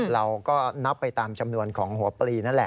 เราก็นับไปตามจำนวนของหัวปลีนั่นแหละ